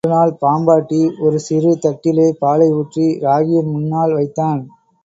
மறுநாள் பாம்பாட்டி ஒரு சிறு தட்டிலே பாலை ஊற்றி ராகியின் முன்னால் வைத்தான்.